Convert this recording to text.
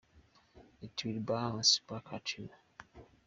It will bounce back at you.